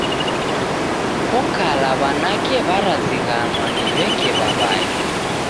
Ko kala w'anake w'arazighanwa ni w'eke w'aw'ae.